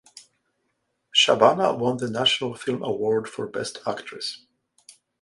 Shabana won the National Film Award for Best Actress.